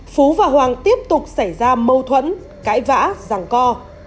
phú và hoàng tiếp tục xảy ra mâu thuẫn cãi vã rằng co